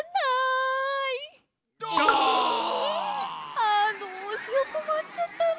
あどうしようこまっちゃったな。